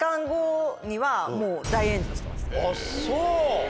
あっそう。